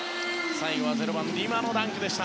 最後はリマのダンクでした。